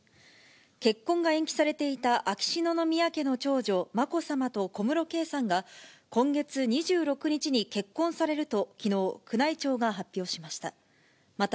結婚が延期されていた秋篠宮家の長女、まこさまと小室圭さんが今月２６日に結婚されるときのう、宮内庁が発表しました。